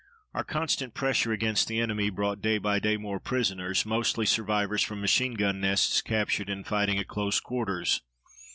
Our constant pressure against the enemy brought day by day more prisoners, mostly survivors from machine gun nests captured in fighting at close quarters.